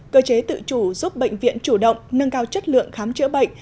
cơ chế tự chủ giúp bệnh viện chủ động nâng cao chất lượng khám chữa bệnh